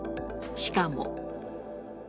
しかも。